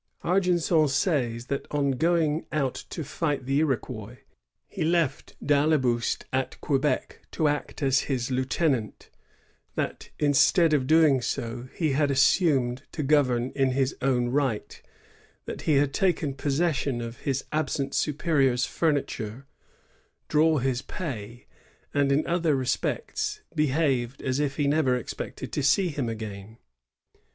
Argenson says that, on going out to fight the Iroquois, he left d' Ailleboust at Quebec, to act as his lieutenant; that, instead of doing so, he had assumed to govern in his own right ; that he had taken possession of his absent superior's furniture, drawn his pay, and in other respects behaved as if he never expected to see him again.